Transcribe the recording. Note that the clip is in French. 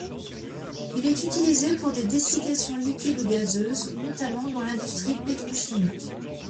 Il est utilisé pour des dessiccations liquides ou gazeuses, notamment dans l'industrie pétrochimique.